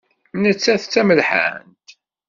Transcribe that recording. Nettat d tamelḥant.